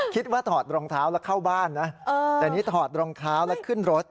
ถอดรองเท้าแล้วเข้าบ้านนะแต่นี่ถอดรองเท้าแล้วขึ้นรถ